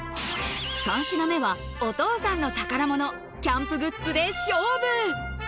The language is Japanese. ３品目は、お父さんの宝物キャンプグッズで勝負。